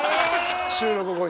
収録後に。